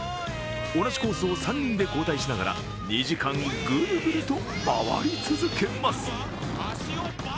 同じコースを３人で交代しながら２時間ぐるぐると回り続けます。